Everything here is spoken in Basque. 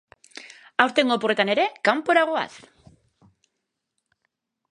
Zeri zor zaio, zure ustez?